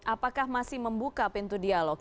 apakah masih membuka pintu dialog